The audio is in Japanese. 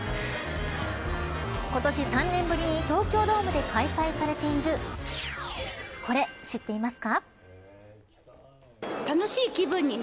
今年３年ぶりに東京ドームで開催されているこれ、知っていますか。